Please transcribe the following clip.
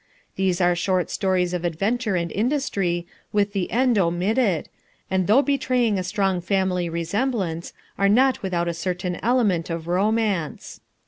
These are short stories of adventure and industry with the end omitted, and though betraying a strong family resemblance, are not without a certain element of romance.